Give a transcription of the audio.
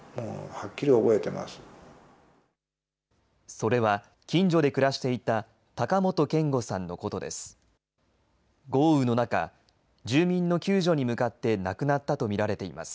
それは近所で暮らしていた高本健吾さんのことです。